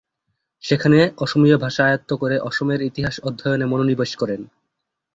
সেখানে অসমীয়া ভাষা আয়ত্ত করে অসমের ইতিহাস অধ্যয়নে মনোনিবেশ করেন।